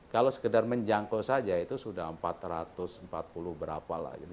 kalau sekedar menjangkau saja itu sudah empat ratus empat puluh berapa lah